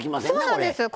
そうなんですよ。